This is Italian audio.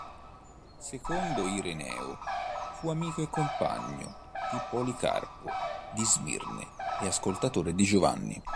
Secondo Ireneo, fu amico e compagno di Policarpo di Smirne e ascoltatore di Giovanni.